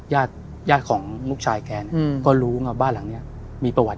ญาติญาติของลูกชายแกเนี่ยก็รู้ไงบ้านหลังนี้มีประวัติ